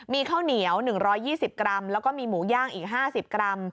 มีข้าวเหนียว๑๒๐กรัมแล้วก็มีหมูย่างอีก๕๐กรัม